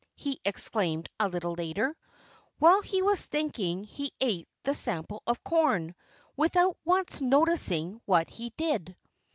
he exclaimed a little later. While he was thinking he ate the sample of corn, without once noticing what he did.